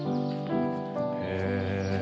へえ。